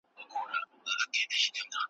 هری خواته یې شنېلۍ وې ښکارېدلې `